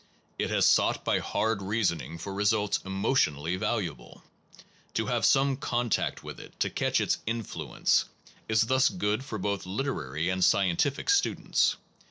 It has sought by hard reasoning for results emotionally valu able. To have some contact with it, to catch its influence, is thus good for both literary and scientific students.